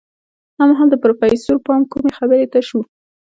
دا مهال د پروفيسر پام کومې خبرې ته شو.